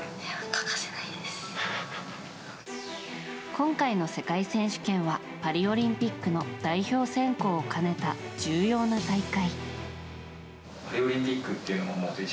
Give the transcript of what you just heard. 今回の世界選手権はパリオリンピックの代表選考を兼ねた重要な大会。